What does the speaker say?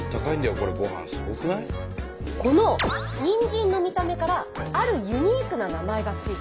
このにんじんの見た目からあるユニークな名前が付いています。